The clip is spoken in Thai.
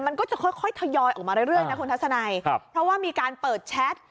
มันก็จะค่อยค่อยทยอยออกมาเรื่อยนะคุณทัศนัยครับเพราะว่ามีการเปิดแชท